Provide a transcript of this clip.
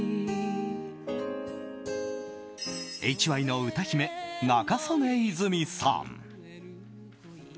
ＨＹの歌姫・仲宗根泉さん。